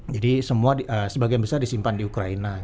jadi semua sebagian besar disimpan di ukraina